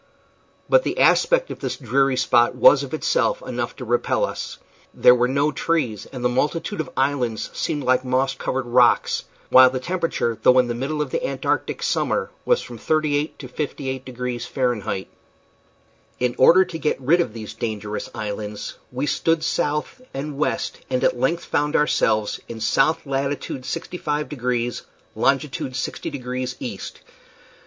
But the aspect of this dreary spot was of itself enough to repel us. There were no trees, and the multitude of islands seemed like moss covered rocks; while the temperature, though in the middle of the antarctic summer, was from 38 to 58 degrees Fahr. In order to get rid of these dangerous islands we stood south and west, and at length found ourselves in south latitude 65 degrees, longitude 60 degrees east.